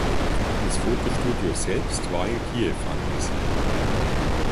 Das Fotostudio selbst war in Kiew angesiedelt.